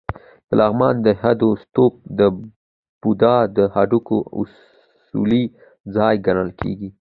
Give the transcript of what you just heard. د لغمان د هده ستوپ د بودا د هډوکو اصلي ځای ګڼل کېږي